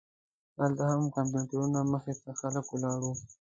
هلته هم د کمپیوټرونو مخې ته خلک ولاړ وو.